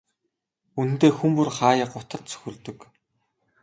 Үнэндээ хүн бүр хааяа гутарч цөхөрдөг.